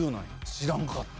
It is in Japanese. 知らんかった。